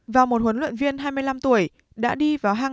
và một huấn luyện viên hai mươi năm tuổi đã đi vào hang